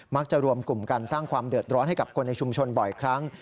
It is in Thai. รวมกลุ่มกันสร้างความเดือดร้อนให้กับคนในชุมชนบ่อยครั้ง